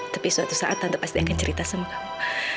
tapi suatu saat tante pasti akan cerita sama kamu